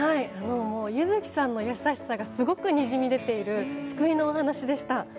柚木さんの優しさがすごくにじみ出ている物語でした。